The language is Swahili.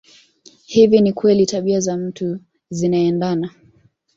Hivi ni kweli tabia za mtu zinaendana